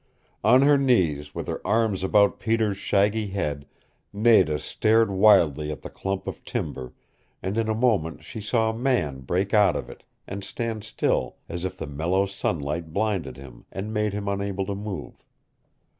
On her knees, with her arms about Peter's shaggy head, Nada stared wildly at the clump of timber, and in a moment she saw a man break out of it, and stand still, as if the mellow sunlight blinded him, and made him unable to move.